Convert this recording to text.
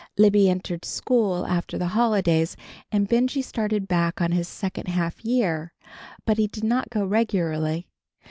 Libby entered school after the holidays, and Benjy started back on his second half year, but he did not go regularly.